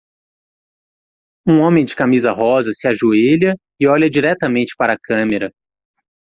Um homem de camisa rosa se ajoelha e olha diretamente para a câmera.